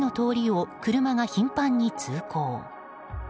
その間も前の通りを車が頻繁に通行。